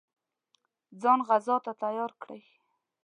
ځان غزا ته تیار کړي.